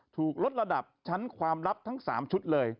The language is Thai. ถูกลดระดับชั้นความลับทั้ง๓ชุดเลย